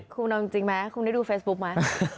คุณเอาจริงมั้ยคุณได้ดูเฟซบุ๊กมั้ย